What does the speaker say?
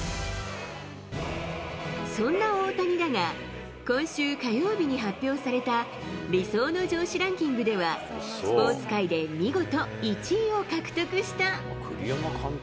そんな大谷だが、今週火曜日に発表された理想の上司ランキングでは、スポーツ界で見事１位を獲得した。